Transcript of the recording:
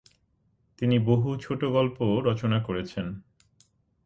তিনি বহু ছোট গল্পও রচনা করেছেন।